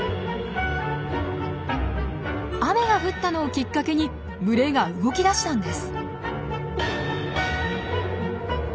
雨が降ったのをきっかけに群れが動き出したんです。